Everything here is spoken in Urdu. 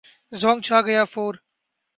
زونگ چھا گیا فور